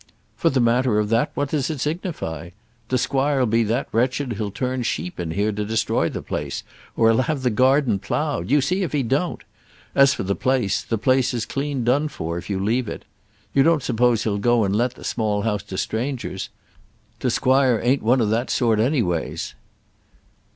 "For the matter of that what does it signify? T' squire'll be that wretched he'll turn sheep in here to destroy the place, or he'll have the garden ploughed. You see if he don't. As for the place, the place is clean done for, if you leave it. You don't suppose he'll go and let the Small House to strangers. T' squire ain't one of that sort any ways."